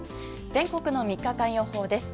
全国の３日間予報です。